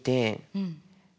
うん。